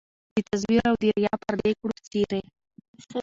د تزویر او د ریا پردې کړو څیري